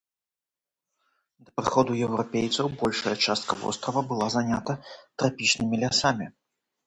Да прыходу еўрапейцаў большая частка вострава была занята трапічнымі лясамі.